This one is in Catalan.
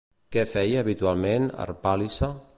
Què feia habitualment Harpàlice?